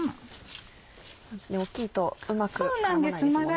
大っきいとうまく絡まないですもんね。